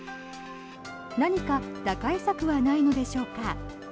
何か打開策はないのでしょうか。